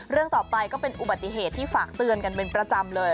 เรื่องต่อไปก็เป็นอุบัติเหตุที่ฝากเตือนกันเป็นประจำเลย